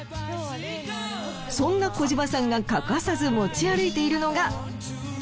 そんな小島さんが欠かさず持ち歩いているのが。